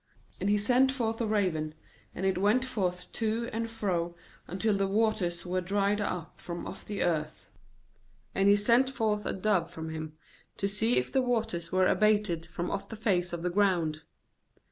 TAnd he sent forth a raven, and it went forth to and fro, until the waters were dried up from off the earth 8And he sent forth a dove from him, to see if the waters were abated from off the face of the ground.